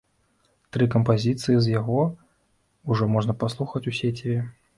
Тры кампазіцыі з яго ўжо можна паслухаць у сеціве.